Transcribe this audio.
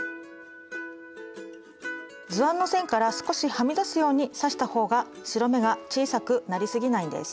図案の線から少しはみ出すように刺したほうが白目が小さくなりすぎないんです。